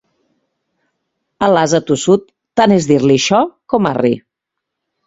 A l'ase tossut, tant és dir-li xo com arri.